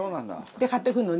で買ってくるのね。